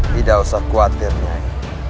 tidak usah khawatir nyai